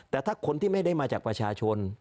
แต่ถ้าคนที่ไม่ได้มาจากประชาชน